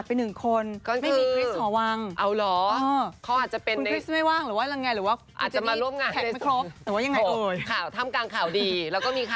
หากเป็นหนึ่งคน